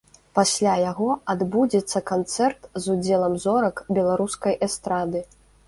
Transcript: Пасля яго адбудзецца канцэрт з удзелам зорак беларускай эстрады.